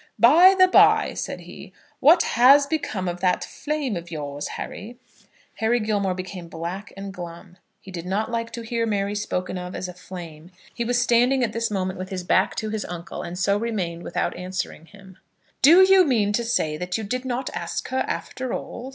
"By the bye," said he, "what has become of that flame of yours, Harry?" Harry Gilmore became black and glum. He did not like to hear Mary spoken of as a flame. He was standing at this moment with his back to his uncle, and so remained, without answering him. "Do you mean to say that you did not ask her, after all?"